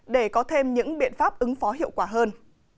để có thêm những biện pháp ứng phó hiệu quả hơn